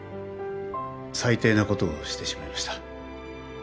最低なことをしてしまいました。